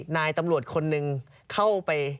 นายตำรวจคนหนึ่งเข้าไป